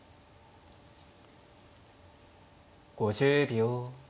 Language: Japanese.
５０秒。